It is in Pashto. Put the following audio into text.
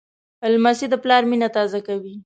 لمسی د پلار مینه تازه کوي.